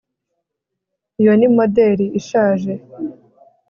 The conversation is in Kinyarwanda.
iyo ni moderi ishaje